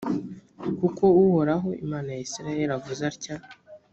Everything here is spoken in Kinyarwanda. kuko uhoraho, imana ya israheli avuze atya.